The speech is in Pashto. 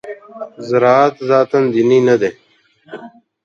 زراعت ذاتاً دیني نه دی.